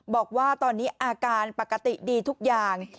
บอกว่าตอนนี้อาการปกติดีทุกอย่าง